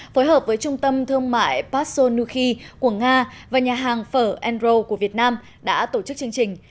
phối hợp với trung tâm thương mại paso nuki của nga và nhà hàng phở endro của việt nam đã tổ chức chương trình